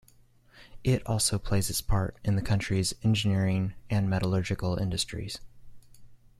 It also plays its part in the country's engineering and metallurgical industries.